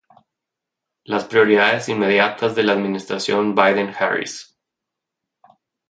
Las Prioridades Inmediatas de la Administración Biden-Harris